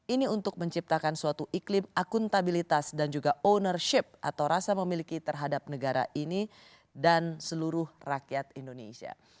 ini untuk menciptakan suatu iklim akuntabilitas dan juga ownership atau rasa memiliki terhadap negara ini dan seluruh rakyat indonesia